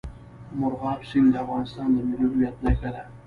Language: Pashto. مورغاب سیند د افغانستان د ملي هویت نښه ده.